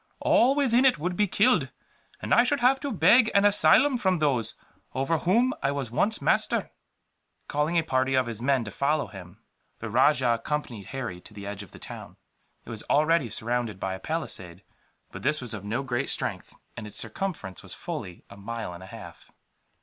All within it would be killed, and I should have to beg an asylum from those over whom I was once master." Calling a party of his men to follow him, the rajah accompanied Harry to the edge of the town. It was already surrounded by a palisade; but this was of no great strength, and its circumference was fully a mile and a half.